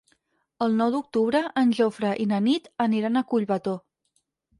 El nou d'octubre en Jofre i na Nit aniran a Collbató.